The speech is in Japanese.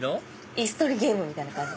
椅子取りゲームみたいな感じ。